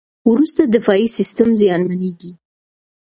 وروسته دفاعي سیستم زیانمنېږي.